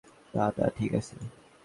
না, না, ঠিক আছে!